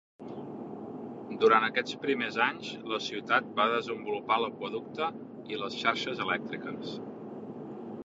Durant aquests primers anys, la ciutat va desenvolupar l'aqüeducte i les xarxes elèctriques.